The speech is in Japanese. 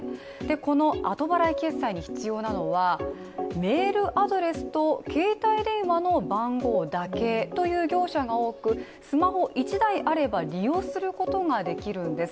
この後払い決済に必要なのはメールアドレスと携帯電話の番号だけという業者が多く、スマホ１台あれば利用することができるんです。